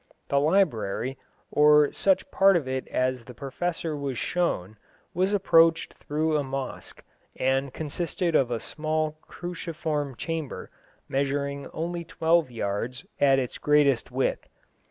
The library, or such part of it as the Professor was shown, was approached through a mosque, and consisted of a small cruciform chamber, measuring only twelve yards at its greatest width.